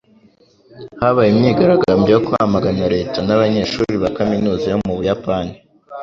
habaye imyigaragambyo yo kwamagana leta n'abanyeshuri ba kaminuza yo mu Buyapani.